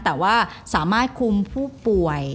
แต่ว่าสามารถคุมผู้ป่วย